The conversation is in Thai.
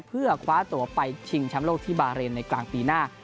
เพื่อคว้าตัวไปชิงแชมป์โลกที่บาเรนในกลางปีหน้า